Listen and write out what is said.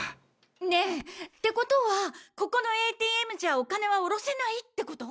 ねぇってことはここのＡＴＭじゃお金はおろせないってこと？